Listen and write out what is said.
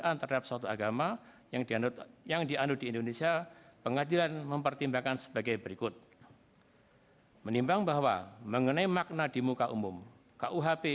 kepulauan seribu kepulauan seribu